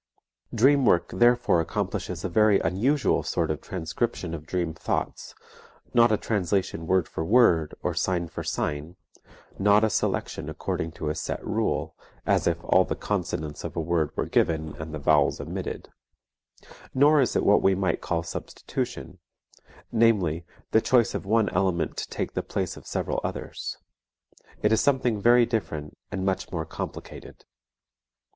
Dream work therefore accomplishes a very unusual sort of transcription of dream thoughts, not a translation word for word, or sign for sign, not a selection according to a set rule, as if all the consonants of a word were given and the vowels omitted; nor is it what we might call substitution, namely, the choice of one element to take the place of several others. It is something very different and much more complicated.